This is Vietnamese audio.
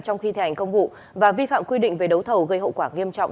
trong khi thi hành công vụ và vi phạm quy định về đấu thầu gây hậu quả nghiêm trọng